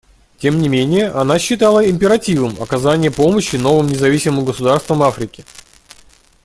Тем не менее, она считала императивом оказание помощи новым независимым государствам Африки.